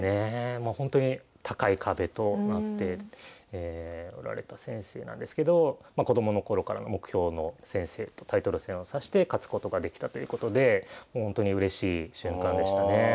もうほんとに高い壁となっておられた先生なんですけど子供の頃からの目標の先生とタイトル戦を指して勝つことができたということでもうほんとにうれしい瞬間でしたね。